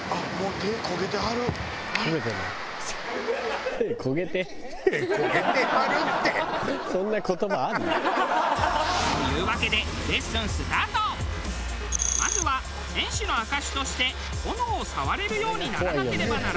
「手焦げて」。というわけでまずは戦士の証しとして炎を触れるようにならなければならない。